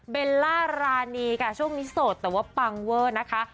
เบลล่ารานีค่ะช่วงนี้โสดแต่ว่าปังเวอร์นะคะ